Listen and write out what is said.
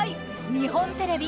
日本テレビ「ザ！